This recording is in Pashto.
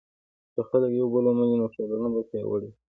که خلک یو بل ومني، نو ټولنه به پیاوړې شي.